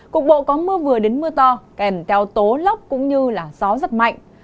cục bộ có mưa vừa đến mưa to kèm theo tố lốc cũng như gió rất mạnh